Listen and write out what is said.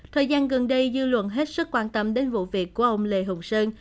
thời gian gần đây dư luận hết sức quan tâm đến vụ việc của ông lê hùng sơn